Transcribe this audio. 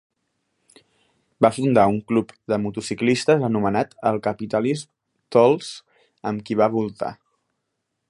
Va fundar un club de motociclistes anomenat els Capitalist Tools, amb qui va voltar.